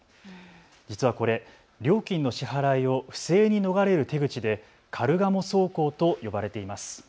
実はこれ、料金の支払いを不正に逃れる手口でカルガモ走行と呼ばれています。